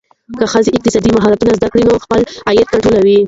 که ښځه اقتصادي مهارتونه زده کړي، نو خپل عاید کنټرولوي.